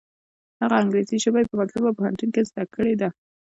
هغه انګریزي ژبه یې په مکتب او پوهنتون کې زده کړې ده.